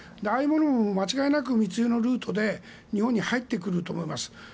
ああいうものも間違いなく密輸のルートで日本に入ってくると思います。